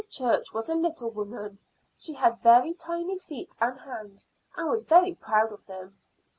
Church was a little woman; she had very tiny feet and hands, and was very proud of them.